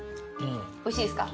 おいしいですか？